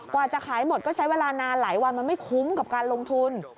กว่าจะขายหมดก็ใช้เวลานานหลายวันมันไม่คุ้มกับการลงทุน